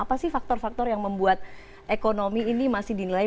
apa sih faktor faktor yang membuat ekonomi ini masih dinilai